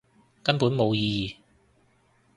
根本冇意義